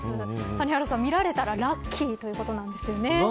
谷原さん、見られたらラッキーということです。